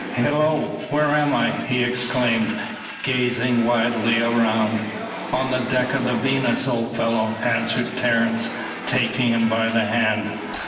"Hillo, where am I?" he exclaimed, gazing wildly around. "On the deck of the Venus, old fellow," answered Terence, taking him by the hand.